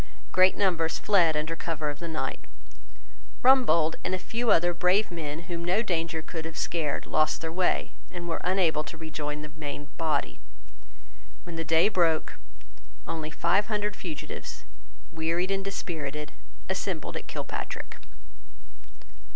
Great numbers fled under cover of the night. Rumbold and a few other brave men whom no danger could have scared lost their way, and were unable to rejoin the main body. When the day broke, only five hundred fugitives, wearied and dispirited, assembled at Kilpatrick.